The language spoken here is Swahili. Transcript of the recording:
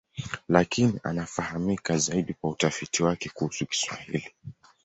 Lakini anafahamika zaidi kwa utafiti wake kuhusu Kiswahili.